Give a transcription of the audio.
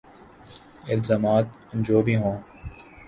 الزامات جو بھی ہوں۔